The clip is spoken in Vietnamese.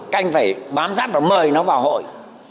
cành phải bám rát và mời nó vào hội